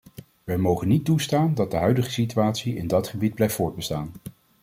Wij mogen niet toelaten dat de huidige situatie in dat gebied blijft voortbestaan.